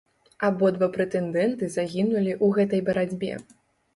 Абодва прэтэндэнты загінулі ў гэтай барацьбе.